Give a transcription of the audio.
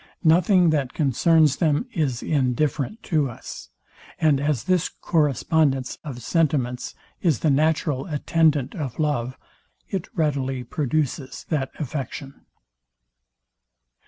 Nothing that concerns them is indifferent to us; and as this correspondence of sentiments is the natural attendant of love, it readily produces that affection.